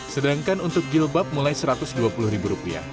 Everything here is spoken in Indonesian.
sedangkan untuk jilbab mulai rp satu ratus dua puluh